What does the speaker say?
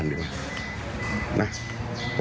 อันนี้ผมไม่ค่อยยืนยันดิวะ